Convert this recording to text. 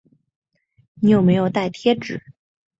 你有没有带贴纸